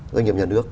doanh nghiệp nhà nước